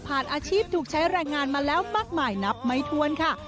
อาชีพถูกใช้แรงงานมาแล้วมากมายนับไม่ถ้วนค่ะ